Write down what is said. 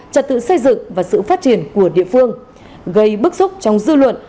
trật tự xây dựng và sự phát triển của địa phương gây bức xúc trong dư luận